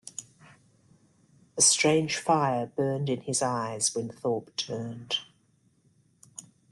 A strange fire burned in his eyes when Thorpe turned.